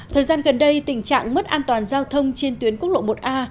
thời gian gần đây tình trạng mất an toàn giao thông trên tuyến quốc lộ một a